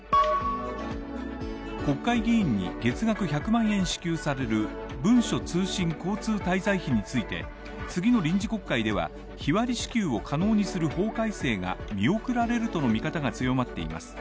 国会議員に月額１００万円支給される文書通信交通滞在費について次の臨時国会では、日割り支給を可能にする法改正が見送られるとの見方が強まっています。